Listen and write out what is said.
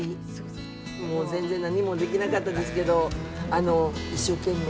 もう全然何もできなかったですけど一生懸命